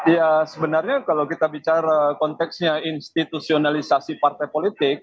ya sebenarnya kalau kita bicara konteksnya institusionalisasi partai politik